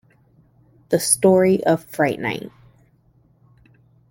The Story of Fright Night.